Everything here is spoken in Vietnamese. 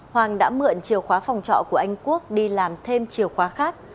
hoàng đã mượn chiều khóa phòng trọ của anh quốc đi làm thêm chiều khóa khác